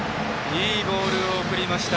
いいボールを送りました。